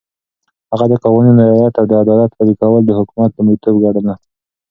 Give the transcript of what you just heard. هغه د قوانينو رعایت او د عدالت پلي کول د حکومت لومړيتوب ګڼله.